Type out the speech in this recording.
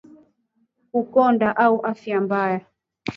Kukonda au Afya mbaya